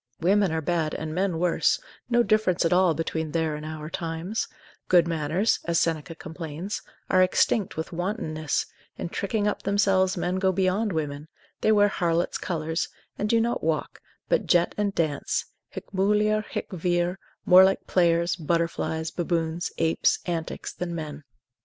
Women are bad and men worse, no difference at all between their and our times; good manners (as Seneca complains) are extinct with wantonness, in tricking up themselves men go beyond women, they wear harlots' colours, and do not walk, but jet and dance, hic mulier, haec vir, more like players, butterflies, baboons, apes, antics, than men.